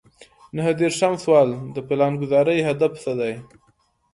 نهه دېرشم سوال د پلانګذارۍ هدف څه دی.